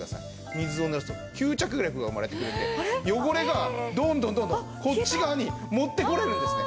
水をぬらすと吸着力が生まれてくるんで汚れがどんどんどんどんこっち側に持ってこれるんですね。